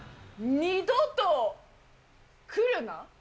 二度と来るな。